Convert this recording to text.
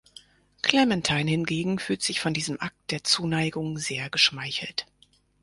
Clementine hingegen fühlt sich von diesem Akt der Zuneigung sehr geschmeichelt.